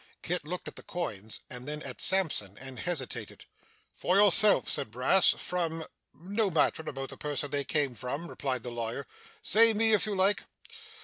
Kit looked at the coins, and then at Sampson, and hesitated. 'For yourself,' said Brass. 'From ' 'No matter about the person they came from,' replied the lawyer. 'Say me, if you like.